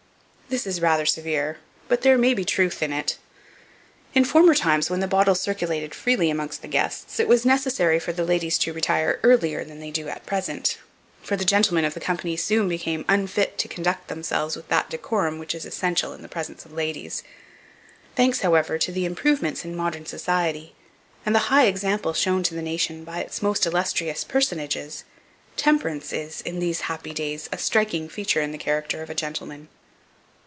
This is rather severe, but there may be truth in it. In former times, when the bottle circulated freely amongst the guests, it was necessary for the ladies to retire earlier than they do at present, for the gentlemen of the company soon became unfit to conduct themselves with that decorum which is essential in the presence of ladies. Thanks, however, to the improvements in modern society, and the high example shown to the nation by its most illustrious personages, temperance is, in these happy days, a striking feature in the character of a gentleman.